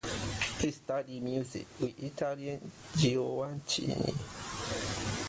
He studied music with the Italian Giovachini.